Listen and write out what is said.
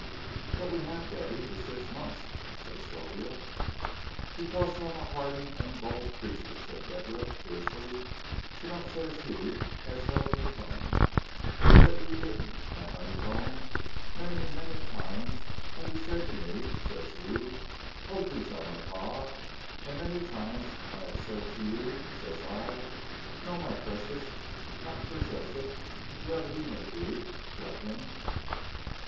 "But we have, Debby, for six months," said Sylvia. "Because I'm a hardened and bold creature," said Deborah, fiercely, "so don't say it's you as held your tongue, for that you didn't, my honeycomb. Many and many a time have you said to me, ses you, 'Oh, do tell my par,' and many a time have I said to you, ses I, 'No, my precious, not for Joseph,' whoever he may be, drat him!"